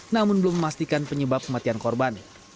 namun belum memastikan penyebab kematian korban